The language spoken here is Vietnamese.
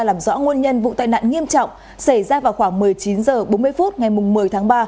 làm rõ nguồn nhân vụ tai nạn nghiêm trọng xảy ra vào khoảng một mươi chín h bốn mươi phút ngày một mươi tháng ba